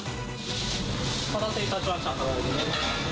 お待たせいたしました。